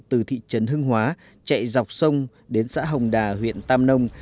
từ thị trấn hưng hóa chạy dọc sông đến xã hồng đà huyện tam nông